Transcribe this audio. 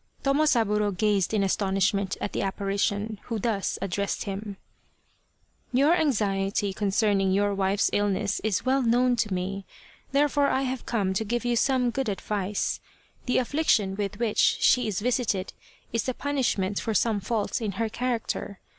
Tomosaburo gazed in astonishment at the appari tion, who thus addressed him :" Your anxiety concerning your wife's illness is well known to me, therefore I have come to give you some good advice. The affliction with which she is visited is the punishment for some faults in her character.